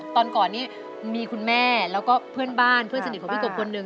ตอนก่อนนี้มีคุณแม่แล้วก็เพื่อนบ้านเพื่อนสนิทของพี่กบคนหนึ่ง